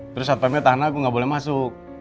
terus hp nya tahanan aku gak boleh masuk